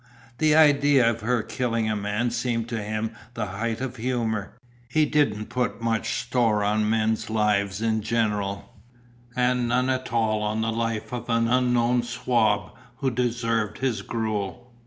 The idea of her killing a man seemed to him the height of humour. He didn't put much store on men's lives in general, and none at all on the life of an unknown swab who deserved his gruel.